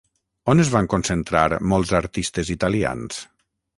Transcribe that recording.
On es van concentrar molts artistes italians?